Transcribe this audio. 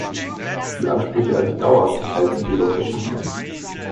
Die Ansprüche an die Dauerhaftigkeit sind jedoch verschieden.